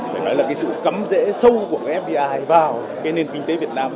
phải nói là cái sự cấm rễ sâu của fdi vào cái nền kinh tế việt nam